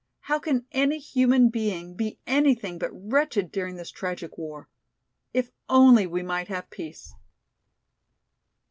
How can any human being be anything but wretched during this tragic war? If only we might have peace!"